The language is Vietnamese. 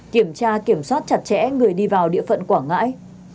kiểm tra kiểm soát chặt chẽ người đi vào địa phận quảng ngãi